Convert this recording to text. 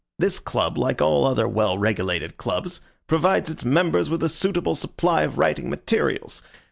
This club, like all other well regulated clubs, provides its members with a suitable supply of writing materials.